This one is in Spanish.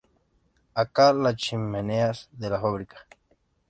Acá, las chimeneas de la fábrica.